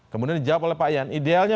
kemudian dijawab oleh pak ian idealnya